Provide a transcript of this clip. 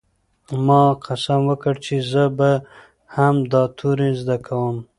ما قسم وکړ چې زه به هم دا توري زده کوم.